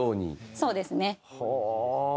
そうですね。はあ！